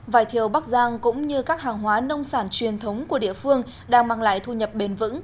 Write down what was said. vải thiều bắc giang cũng như các hàng hóa nông sản truyền thống của địa phương đang mang lại thu nhập bền vững